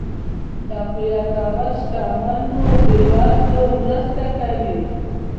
تقويه کول شتمنو بې وزلو مرسته کوي.